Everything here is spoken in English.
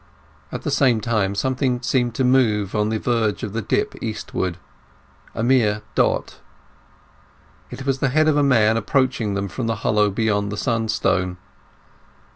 At the same time something seemed to move on the verge of the dip eastward—a mere dot. It was the head of a man approaching them from the hollow beyond the Sun stone.